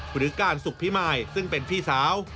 หรือการสุขพิมายซึ่งเป็นพี่สาว